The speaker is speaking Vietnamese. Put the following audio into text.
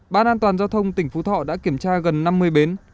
ban an toàn giao thông tỉnh phú thọ đã kiểm tra gần năm mươi bến